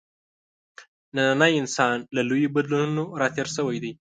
نننی انسان له لویو بدلونونو راتېر شوی دی.